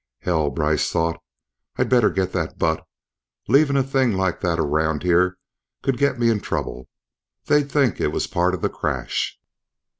Hell, Brice thought, I'd better get that butt. Leaving a thing like that around here could get me in trouble. They'd think it was part of the crash.